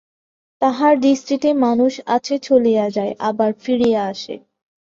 তাহার দৃষ্টিতে মানুষ আসে, চলিয়া যায়, আবার ফিরিয়া আসে।